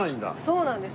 そうなんです。